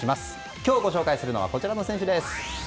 今日ご紹介するのはこちらの選手です。